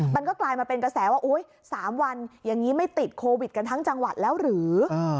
กลายมาเป็นกระแสว่า๓วันอย่างนี้ไม่ติดโควิดกันทั้งจังหวัดแล้วหรือ